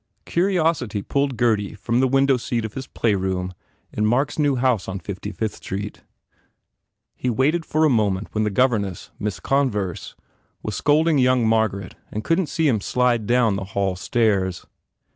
Curiosity pulled Gurdy from the window seat of his play room in Mark s new house on 55th Street. He waited for a moment when the governess, Miss Converse, was scolding young Margaret and wouldn t see him slide down the hall stairs.